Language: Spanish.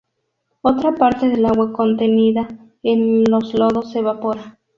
Otra parte del agua contenida en los lodos se evapora.